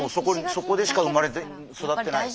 そこでしか生まれて育ってない。